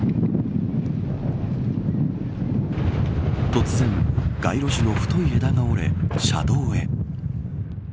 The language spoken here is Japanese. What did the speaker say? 突然、街路樹の太い枝が折れ車道へ。